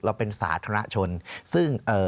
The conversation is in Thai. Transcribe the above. เราเป็นสาธารณะชนซึ่ง